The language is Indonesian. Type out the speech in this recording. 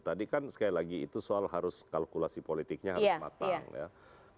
tadi kan sekali lagi itu soal harus kalkulasi politiknya harus matang ya